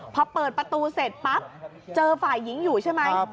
พอเปิดประตูเสร็จปั๊บเจอฝ่ายหญิงอยู่ใช่ไหม